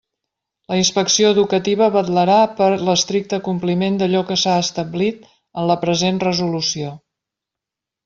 La Inspecció Educativa vetlarà per l'estricte compliment d'allò que s'ha establit en la present resolució.